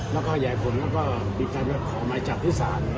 แล้วก็ขยายผลแล้วก็มีการไปขอหมายจับที่ศาล